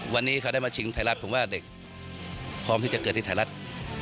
วันนี้เขาได้มาชิงไทยรัฐผมว่าเด็กพร้อมที่จะเกิดที่ไทยรัฐ